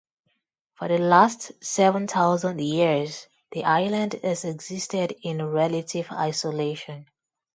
For the last seven thousand years the island has existed in relative isolation.